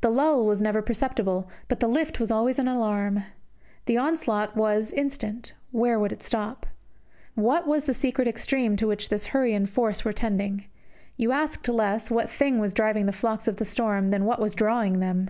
The lull was never perceptible, but the lift was always an alarm. The onslaught was instant, where would it stop? What was the secret extreme to which this hurry and force were tending? You asked less what thing was driving the flocks of the storm than what was drawing them.